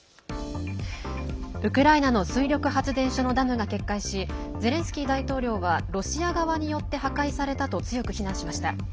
ウクライナの水力発電所のダムが決壊しゼレンスキー大統領はロシア側によって破壊されたと強く非難しました。